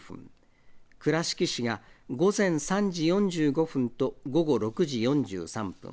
倉敷市が午前３時４５分と午後６時４３分。